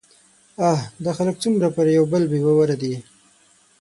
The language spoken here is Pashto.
اه! دا خلک څومره پر يوبل بې باوره دي